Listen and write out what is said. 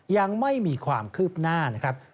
ยังไม่มีความคืบหน้านะครับ